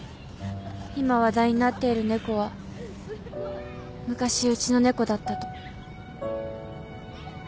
今話題になっている猫は昔うちの猫だったと。